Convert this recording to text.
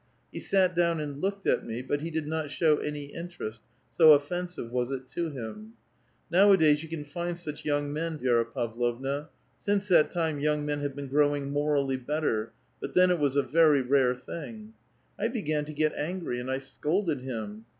He sat down and looked at me ; but he did not show any interest, so offensive was it to him. Nowadays you can find such 3*oung men, Vi^ra Pavlovna ; since that time 3'oung men have been grow ing morally better, but then it was a very rare thing. I be gan to get angry, and I scolded him.